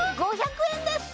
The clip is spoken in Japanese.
１万５００円です。